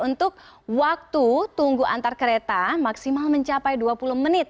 untuk waktu tunggu antar kereta maksimal mencapai dua puluh menit